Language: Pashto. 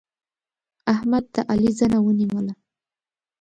احمد د علي زنه ونيوله.